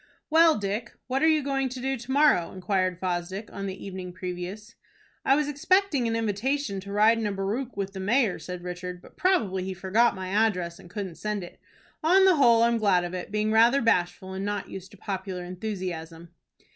"Well, Dick, what are you going to do to morrow?" inquired Fosdick, on the evening previous. "I was expecting an invitation to ride in a barouche with the mayor," said Richard; "but probably he forgot my address and couldn't send it. On the whole I'm glad of it, being rather bashful and not used to popular enthusiasm."